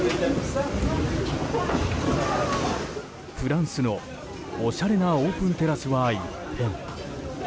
フランスのおしゃれなオープンテラスは一変。